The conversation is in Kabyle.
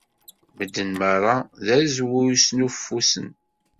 Medden merra d azwu i snuffusen.